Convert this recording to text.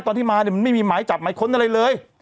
ตอนที่มาเนี่ยมันไม่มีหมายจับหมายค้นอะไรเลย